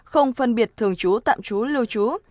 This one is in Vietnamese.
không phân biệt thường chú tạm chú lưu chú